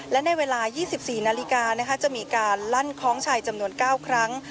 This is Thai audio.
และในเวลา๒๔นาฬิกาจะมีการลั่นคล้องชัยจำนวน๙ครั้ง